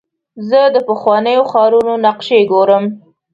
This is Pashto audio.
زه د پخوانیو ښارونو نقشې ګورم.